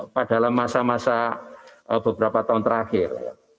pada masa masa beberapa tahun terakhir